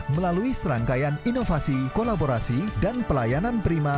melalui serangkaian inovasi kolaborasi dan pelayanan prima